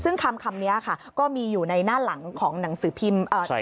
ซึ่งคำนี้ค่ะก็มีอยู่ในหน้าหลังของหนังสือพิมพ์